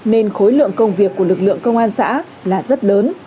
nên khối lượng công việc của lực lượng công an xã là rất lớn